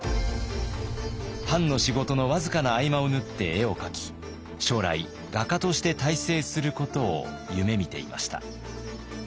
藩の仕事の僅かな合間を縫って絵を描き将来画家として大成することを夢みていました。